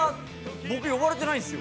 僕呼ばれてないんですよ。